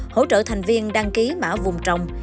hỗ trợ thành viên đăng ký mã vùng trồng